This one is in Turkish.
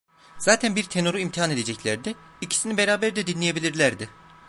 Zaten bir tenoru imtihan edeceklerdi, ikisini beraber de dinleyebilirlerdi.